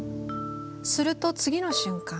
すると次の瞬間